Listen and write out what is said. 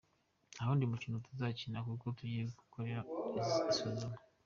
Nta wundi mukino tuzakina kuko tugiye kwikorera isuzuma.